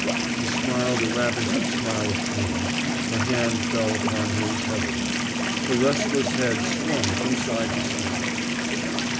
She smiled a ravished smile of pain; her hand fell upon his heavily; her restless head swung from side to side.